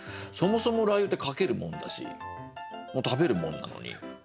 そもそも辣油ってかけるもんだし食べるもんなのに。